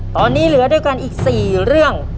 ตอนนี้เหลือด้วยกันอีก๔เรื่อง